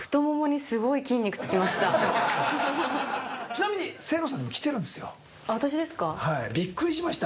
ちなみに清野さんにも来てるんですよ。